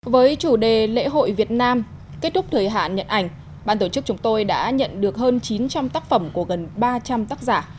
với chủ đề lễ hội việt nam kết thúc thời hạn nhận ảnh ban tổ chức chúng tôi đã nhận được hơn chín trăm linh tác phẩm của gần ba trăm linh tác giả